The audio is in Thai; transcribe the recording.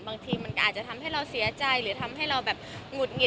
บางทีมันก็อาจจะทำให้เราเสียใจหรือทำให้เราแบบหงุดหงิด